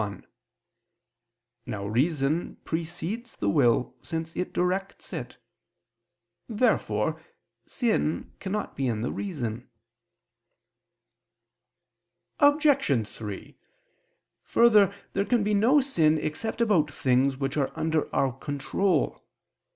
Now reason precedes the will, since it directs it. Therefore sin cannot be in the reason. Obj. 3: Further, there can be no sin except about things which are under our control.